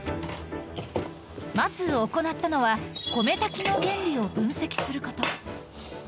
まず行ったのは、米炊きの原理を分析すること。